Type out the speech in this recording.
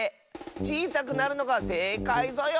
ちいさくなるのがせいかいぞよ。